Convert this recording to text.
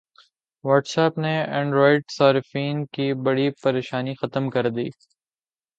what's app نے Android صارفین کی بڑی پریشانی ختم کردی